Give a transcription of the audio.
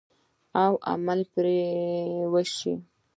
او پرې عمل وشي.